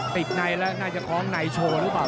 ติดในและน่าจะของในโชว์รึเปล่า